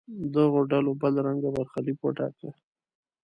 دغو ډلو بل رنګه برخلیک وټاکه.